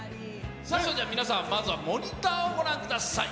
皆さんまずはモニターをご覧ください。